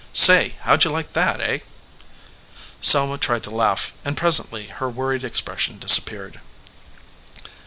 Say, how d you like that, eh?" Selma tried to laugh, and presently her worried expression disappeared.